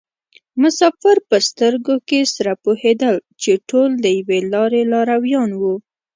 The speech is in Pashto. مسافر په سترګو کې سره پوهېدل چې ټول د یوې لارې لارویان وو.